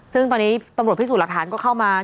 ซึ่งตอนนี้ตำรวจพิสูจน์หลักฐานก็เข้ามา